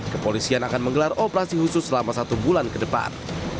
kepolisian akan menggelar operasi khusus selama satu bulan ke depan